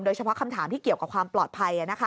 เฉพาะคำถามที่เกี่ยวกับความปลอดภัย